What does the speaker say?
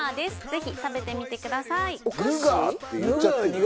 ぜひ食べてみてくださいお菓子？